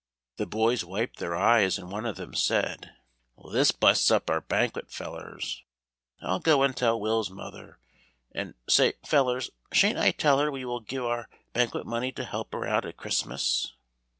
The boys wiped their eyes and one of them said, "This busts up our banquet, fellers; I'll go and tell Will's mother, and, say, fellers, shan't I tell her we will give our banquet money to help her out at Christmas?"